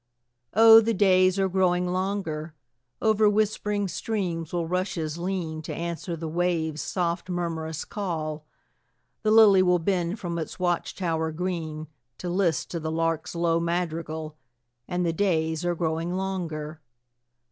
Oh, the days are growing longer; Over whispering streams will rushes lean, To answer the waves' soft murmurous call; The lily will bend from its watch tower green, To list to the lark's low madrigal, And the days are growing longer.